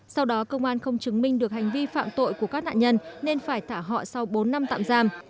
sau đó công an không chứng minh được hành vi phạm tội của các nạn nhân nên phải thả họ sau bốn năm tạm giam